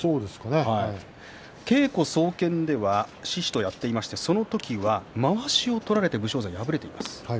稽古総見では獅司とやっていましてその時はまわしを取られて武将山が敗れています。